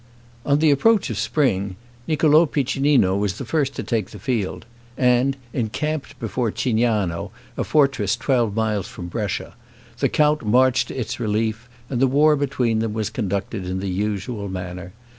On the approach of spring, Niccolo Piccinino was the first to take the field, and encamped before Cignano, a fortress twelve miles from Brescia; the count marched to its relief, and the war between them was conducted in the usual manner.